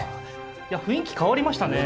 雰囲気変わりましたね。